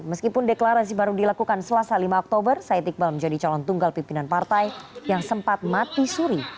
meskipun deklarasi baru dilakukan selasa lima oktober said iqbal menjadi calon tunggal pimpinan partai yang sempat mati suri